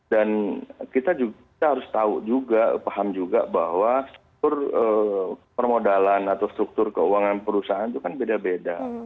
dan kita juga harus tahu juga paham juga bahwa struktur permodalan atau struktur keuangan perusahaan itu kan beda beda